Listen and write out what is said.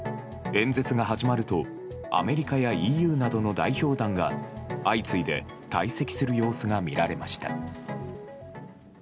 演説が始まるとアメリカやＥＵなどの代表団が相次いで退席する様子が見られました。